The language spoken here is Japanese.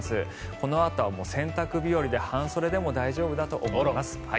このあとは洗濯日和で半袖でも大丈夫だと思います。